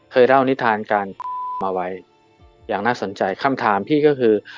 เคยเล่านิทานกันมาไว้อย่างน่าสนใจคำถามพี่ก็คือ